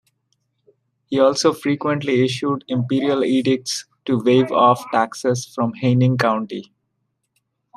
He also frequently issued imperial edicts to waive off taxes from Haining County.